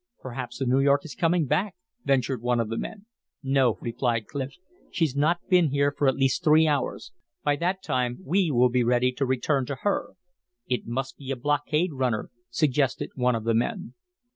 "Perhaps the New York is coming back," ventured one of the men. "No," replied Clif. "She's not been here for at least three hours. By that time we will be ready to return to her." "It must be a blockade runner," suggested one of the men.